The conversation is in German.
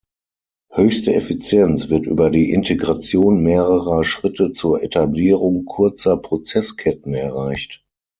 Höchste Effizienz wird über die Integration mehrerer Schritte zur Etablierung kurzer Prozessketten erreicht.